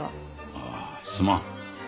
ああすまん。